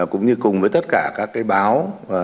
cũng như cùng với tất cả các báo